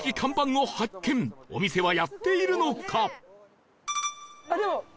お店はやっているのか？